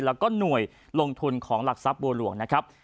และก็หน่วยลงทุนของหลักทรัพย์บัวล่วง